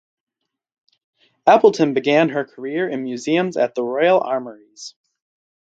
Appleton began her career in museums at the Royal Armouries.